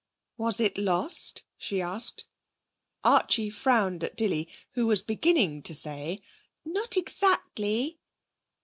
'Was it lost?' she asked. Archie frowned at Dilly, who was beginning to say, 'Not exactly.'